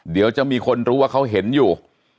เดี๋ยวจะมีคนรู้ว่าเขาเห็นอยู่